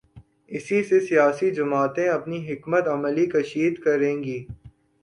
اسی سے سیاسی جماعتیں اپنی حکمت عملی کشید کریں گی۔